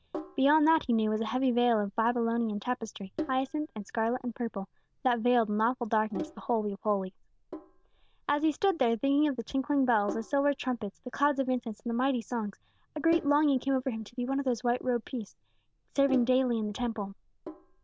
Beyond that he knew was a heavy veil of Babylonian tapestry, hyacinth and scarlet and purple, that veiled in awful darkness the Holy of Holies. As he stood there thinking of the tinkling bells, the silver trumpets, the clouds of incense, and the mighty songs, a great longing came over him to be one of those white robed priests, serving daily in the Temple.